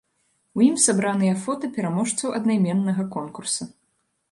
У ім сабраныя фота пераможцаў аднайменнага конкурса.